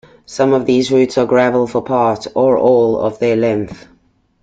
Some of these routes are gravel for part or all of their length.